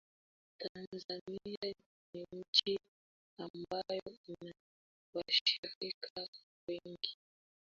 Tanzania ni nchi ambayo ina washirika wengi